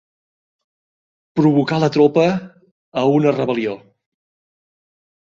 Provocar la tropa a una rebel·lió.